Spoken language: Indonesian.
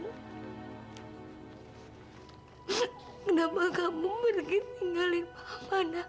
kenapa kamu pergi tinggalin pak mana